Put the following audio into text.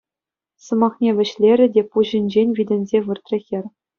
Сӑмахне вӗҫлерӗ те пуҫӗнчен витӗнсе выртрӗ хӗр.